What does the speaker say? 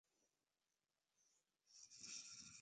বিনয় কহিল, ঐ কথাটাই ঠিক।